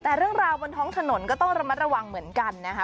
แต่เรื่องราวบนท้องถนนก็ต้องระมัดระวังเหมือนกันนะคะ